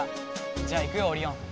じゃあ行くよオリオン！